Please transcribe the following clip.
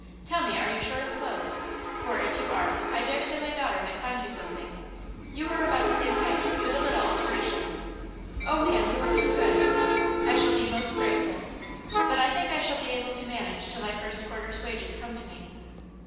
Tell me, are you short of clothes? for if you are I daresay my daughter might find you something you are about the same height with a little alteration " "Oh, ma'am, you are too good. I shall be most grateful. But I think I shall be able to manage till my first quarter's wages come to me."